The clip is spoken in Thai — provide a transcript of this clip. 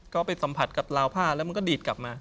ก็ไปสัมผัสกับลาวผ้าแล้วมันก็ดีดกลับมา